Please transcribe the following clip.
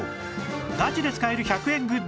ガチで使える１００円グッズ